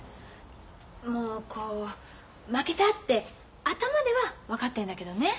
もうこう負けたって頭では分かってんだけどね